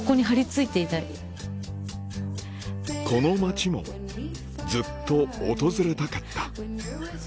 この街もずっと訪れたかった九です。